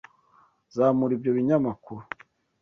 Zamura ibyo binyamakuru